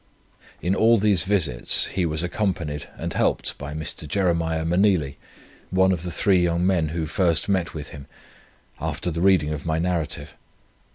In all these visits he was accompanied and helped by Mr. Jeremiah Meneely, one of the three young men who first met with him, after the reading of my Narrative.